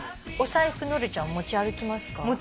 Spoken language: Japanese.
お財布ノエルちゃん持ち歩きますか？